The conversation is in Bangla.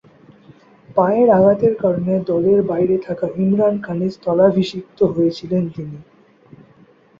পায়ের আঘাতের কারণে দলের বাইরে থাকা ইমরান খানের স্থলাভিষিক্ত হয়েছিলেন তিনি।